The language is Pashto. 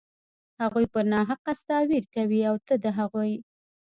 هغوى پر ناحقه ستا وير کوي او ته د هغوى.